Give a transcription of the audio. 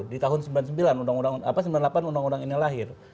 di tahun sembilan puluh sembilan sembilan puluh delapan undang undang ini lahir